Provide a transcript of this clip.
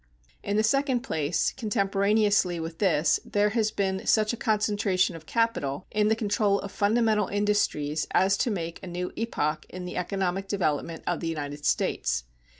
In the second place, contemporaneously with this there has been such a concentration of capital in the control of fundamental industries as to make a new epoch in the economic development of the United States.